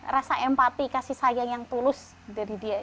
rasa empati kasih sayang yang tulus dari dia